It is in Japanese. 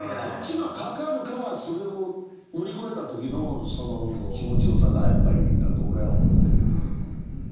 こっちがかかるからそれを乗り越えたときの気持ち良さがいいんだと俺は思うけどな。